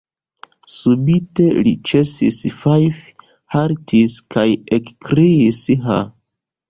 Subite li ĉesis fajfi, haltis kaj ekkriis: ha!